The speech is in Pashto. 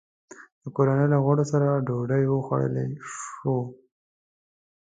د کورنۍ له غړو سره ډوډۍ وخوړلای شو.